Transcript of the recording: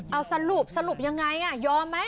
เอาสรุปสรุปยังไงยอมไหม